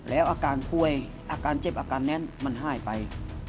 แล้วอาการป่วยอาการเจ็บอาการนั้นมันหายไป